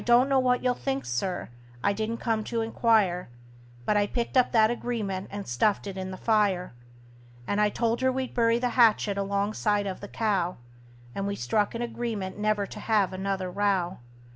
I don't know what you'll think, Sir I didn't come to inquire But I picked up that agreement and stuffed it in the fire; And I told her we'd bury the hatchet alongside of the cow; And we struck an agreement never to have another row.